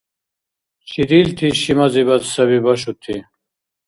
Чидилти шимазибад саби башути?